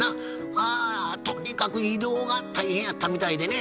まあとにかく移動が大変やったみたいでね。